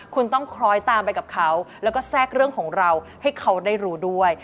คุณต้องคล้อยตามไปกับเขาแล้วก็แทรกเรื่องของเราให้เขาได้รู้ด้วย